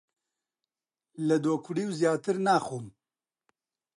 لە دۆکڵیو زیاتر ناخۆم!